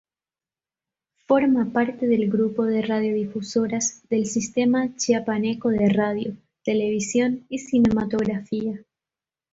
Forma parte del grupo de radiodifusoras del Sistema Chiapaneco de Radio, Televisión y Cinematografía.